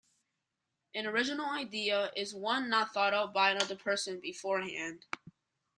An original idea is one not thought up by another person beforehand.